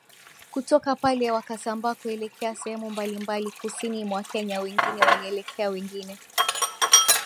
Kutoka pale wakasambaa kuelekea sehemu mbalimbali kusini mwa Kenya Wengine walielekea wengine